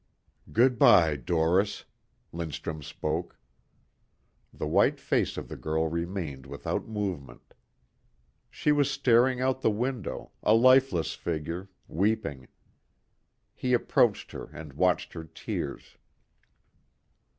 "Good bye, Doris," Lindstrum spoke. The white face of the girl remained without movement. She was staring out the window, a lifeless figure, weeping. He approached her and watched her tears.